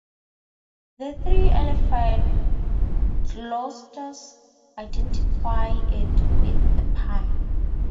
The "Tree Alphabet" glossators identify it with the pine.